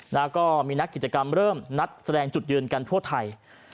แล้วก็มีนักกิจกรรมเริ่มนัดแสดงจุดยืนกันทั่วไทย